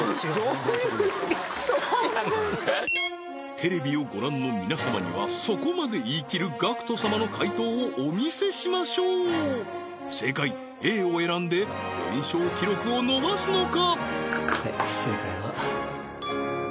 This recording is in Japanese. テレビをご覧の皆様にはそこまで言いきるＧＡＣＫＴ様の解答をお見せしましょう正解Ａを選んで連勝記録を伸ばすのか？